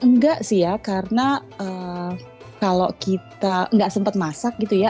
enggak sih ya karena kalau kita nggak sempat masak gitu ya